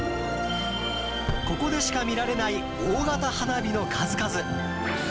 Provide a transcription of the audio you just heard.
ここでしか見られない大型花火の数々。